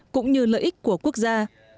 của quốc gia